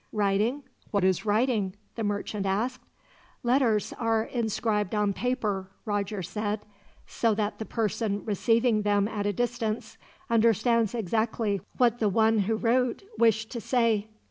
"Writing, what is writing?" the merchant asked. "Letters are inscribed on paper," Roger said, "so that the person receiving them at a distance understands exactly what the one who wrote wished to say."